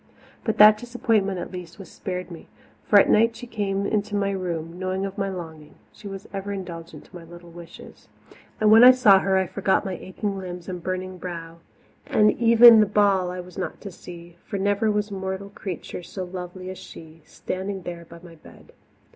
But that disappointment, at least, was spared me, for at night she came into my room, knowing of my longing she was ever indulgent to my little wishes. And when I saw her I forgot my aching limbs and burning brow, and even the ball I was not to see, for never was mortal creature so lovely as she, standing there by my bed.